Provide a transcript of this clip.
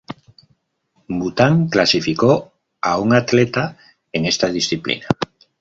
Bután clasificó a un atleta en esta disciplina.